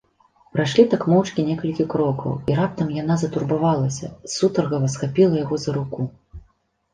Прайшлі так моўчкі некалькі крокаў, і раптам яна затурбавалася, сутаргава схапіла яго за руку.